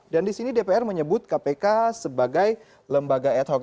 dan di sini dpr menyebut kpk sebagai lembaga ad hoc